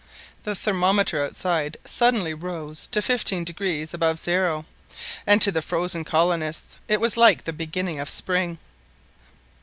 The thermometer outside suddenly rose to 15° above zero, and to the frozen colonists it was like the beginning of spring.